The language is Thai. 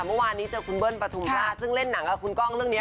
เมื่อวานนี้เจอคุณเบิ้ลปฐุมราชซึ่งเล่นหนังกับคุณก้องเรื่องนี้